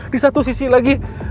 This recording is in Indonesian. di satu sisi lagi